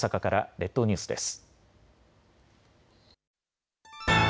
列島ニュースです。